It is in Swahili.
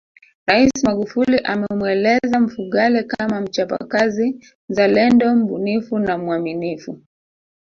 Rais Magufuli amemweleza Mfugale kama mchapakazi mzalendo mbunifu na mwaminifu